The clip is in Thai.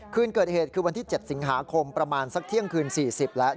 คืนเกิดเหตุคือวันที่๗สิงหาคมประมาณสักเที่ยงคืน๔๐แล้ว